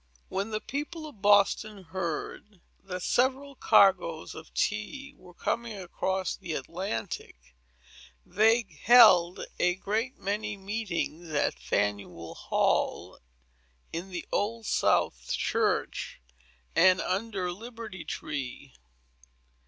When the people of Boston heard that several cargoes of tea were coming across the Atlantic, they held a great many meetings at Faneuil Hall, in the Old South church, and under Liberty Tree.